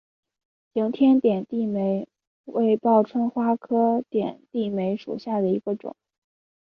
景天点地梅为报春花科点地梅属下的一个种。